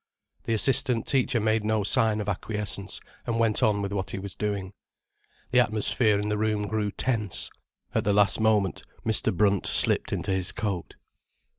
The assistant teacher made no sign of acquiescence, and went on with what he was doing. The atmosphere in the room grew tense. At the last moment Mr. Brunt slipped into his coat.